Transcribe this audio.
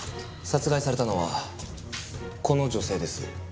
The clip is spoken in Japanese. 殺害されたのはこの女性です。